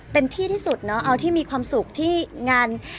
ที่ที่สุดเนาะเอาที่มีความสุขที่งาน